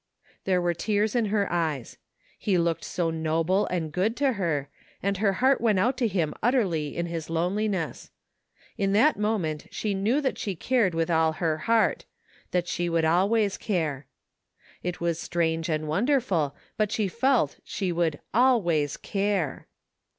There were tears in her eyes. He looked so noble and good to her, and her heart went out to him utterly in his loneliness. In that moment she knew that she cared with all her heart; that she would always care. It was strange and wonderf td, ibut she felt she would always care!